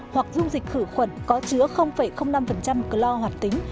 hoặc dung dịch khử khuẩn có chứa năm clor hoạt tính